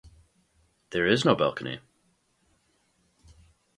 There is no balcony.